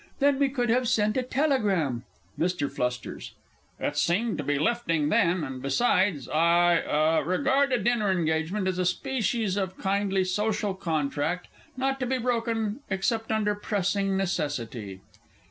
Then we could have sent a telegram! MR. F. It seemed to be lifting then, and besides, I ah regard a dinner engagement as a species of kindly social contract, not to be broken except under pressing necessity.